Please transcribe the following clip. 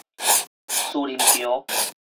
士林橋